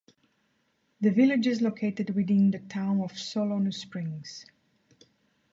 The village is located within the Town of Solon Springs.